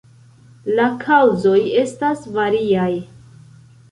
La kaŭzoj estas variaj.